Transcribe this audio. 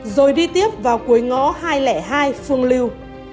rồi đi tiếp vào cuối ngõ hai trăm linh hai phương lưu